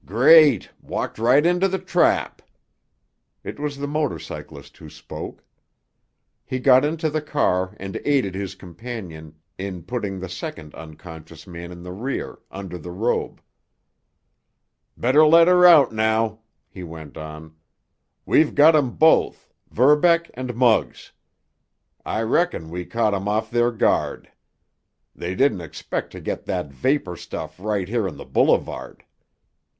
"Great! Walked right into the trap!" It was the motor cyclist who spoke. He got into the car and aided his companion in putting the second unconscious man in the rear, under the robe. "Better let her out now!" he went on. "We've got 'em both—Verbeck and Muggs. I reckon we caught 'em off their guard. They didn't expect to get that vapor stuff right here on the boulevard.